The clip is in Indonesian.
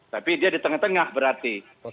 tapi dia di tengah tengah berarti